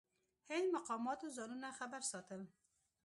هند مقاماتو ځانونه خبر ساتل.